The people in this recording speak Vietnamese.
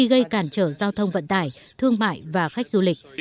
gây cản trở giao thông vận tải thương mại và khách du lịch